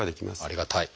ありがたい。